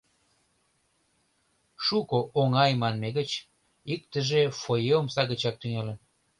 «Шуко оҥай» манме гыч иктыже фойэ омса гычак тӱҥалын.